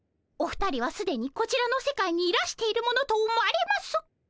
お二人はすでにこちらの世界にいらしているものと思われます。